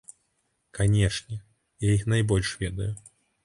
Канешне, я іх найбольш ведаю.